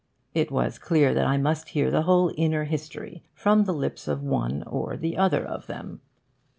It was clear that I must hear the whole inner history from the lips of one or the other of them.